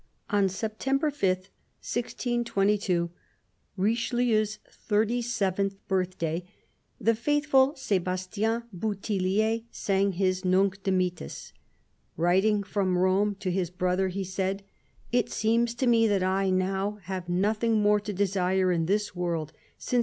ON September 5, 1622 — Richelieu's thirty seventh birthday — the faithful Sebastien Bouthillier sang his Nunc Dimittis. Writing from Rome to his brother, he said :" It seems to me that I now have nothing more to desire in this world, since M.